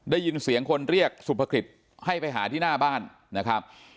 ได้ยินเสียงคนเรียกสุภกิจให้ไปหาที่หน้าบ้านนะครับ